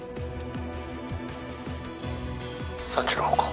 ３時の方向